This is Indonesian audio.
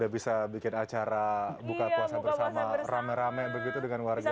bisa bikin acara buka puasa bersama rame rame begitu dengan warga